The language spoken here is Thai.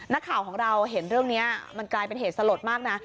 นักข่าวของเราเห็นเรื่องนี้มันกลายเป็นเหตุสลดมากนะ